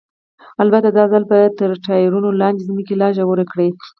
البته دا ځل به تر ټایرونو لاندې ځمکه لا ژوره کړو.